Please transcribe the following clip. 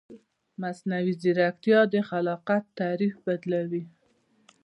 مصنوعي ځیرکتیا د خلاقیت تعریف بدلوي.